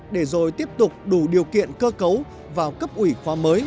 để rồi tiếp tục đủ điều kiện cơ cấu vào cấp ủy khoa mới